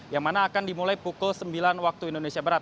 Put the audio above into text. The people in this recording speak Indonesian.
yang mana akan dimulai pukul sembilan waktu indonesia barat